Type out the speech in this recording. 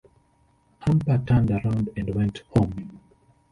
Hamper turned around and went home.